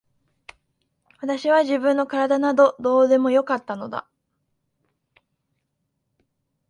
私は自分の体などどうでもよかったのだ。